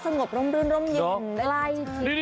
สงบร่มรื่นร่มหยุ่น